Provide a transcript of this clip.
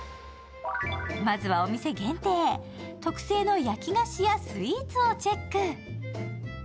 まずはお店限定、特製の焼き菓子やスイーツをチェック。